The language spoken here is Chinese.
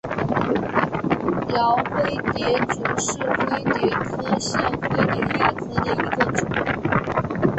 娆灰蝶族是灰蝶科线灰蝶亚科里的一个族。